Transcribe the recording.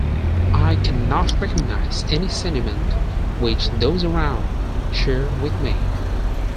I cannot recognise any sentiment which those around share with me.